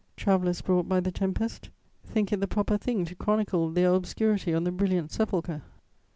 Travellers brought by the tempest think it the proper thing to chronicle their obscurity on the brilliant sepulchre.